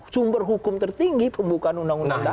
sumber hukum tertinggi pembukaan undang undang dasar